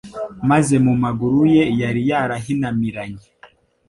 maze mu maguru ye yari yarahinamiranye